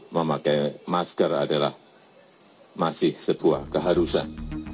memakai masker adalah masih sebuah keharusan